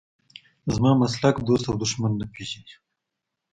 زما مسلک دوست او دښمن نه پېژني.